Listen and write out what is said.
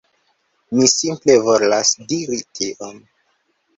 Mi simple volas diri tion.